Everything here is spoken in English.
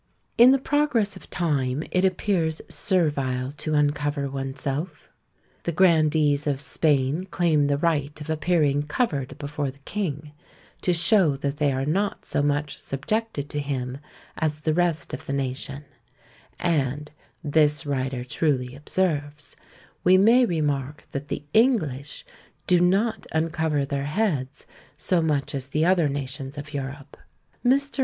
In the progress of time it appears servile to uncover oneself. The grandees of Spain claim the right of appearing covered before the king, to show that they are not so much subjected to him as the rest of the nation: and (this writer truly observes) we may remark that the English do not uncover their heads so much as the other nations of Europe. Mr.